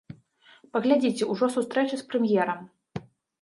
Паглядзіце, ужо сустрэча з прэм'ерам.